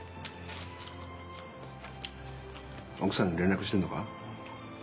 奥さんに連絡してんのか？